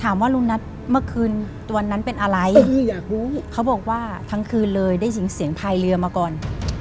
ลุงนัทเมื่อคืนวันนั้นเป็นอะไรอยากรู้เขาบอกว่าทั้งคืนเลยได้ยินเสียงพายเรือมาก่อน